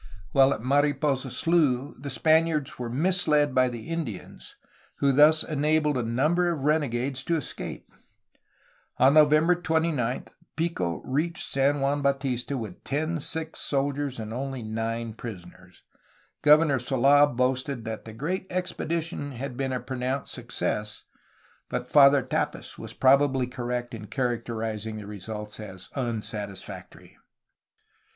While at Mariposa Slough, the Spaniards were mis led by the Indians, who thus enabled a number of renegades to escape. On November 29 Pico reached San Juan Bau tista with ten sick soldiers and only nine prisoners. Gov ernor Sold boasted that the "great expedition" had been a pronounced success, but Father Tapis was probably correct in characterizing the results as unsatisfactory.